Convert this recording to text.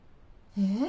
え？